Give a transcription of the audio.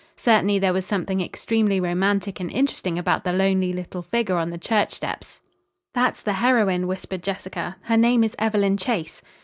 Certainly, there was something extremely romantic and interesting about the lonely little figure on the church steps. "That's the heroine," whispered Jessica. "Her name is Evelyn Chase."